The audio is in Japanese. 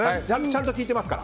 ちゃんと聞いてますか？